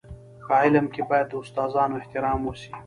په علم کي باید د استادانو احترام وسي.